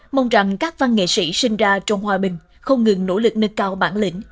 mong rằng các văn nghệ sĩ sinh ra trong hòa bình không ngừng nỗ lực nâng cao bản lĩnh